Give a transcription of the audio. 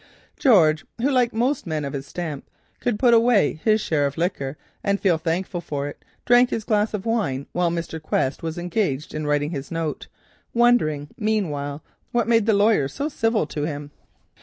George, who like most men of his stamp could put away his share of liquor and feel thankful for it, drank his glass of wine while Mr. Quest was engaged in writing the note, wondering meanwhile what made the lawyer so civil to him.